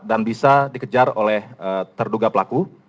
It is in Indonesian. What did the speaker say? dan bisa dikejar oleh terduga pelaku